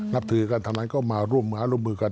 นับถือกันเท่านั้นก็มาร่วมมือกัน